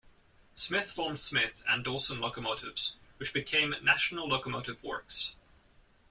Smith formed Smith and Dawson Locomotives, which became National Locomotive Works.